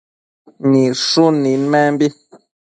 Nidshun nidmenbi